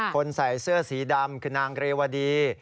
คนใส่เสื้อสีดำคือนางเรวดี